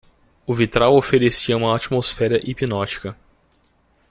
O vitral oferecia uma atmosfera hipnótica.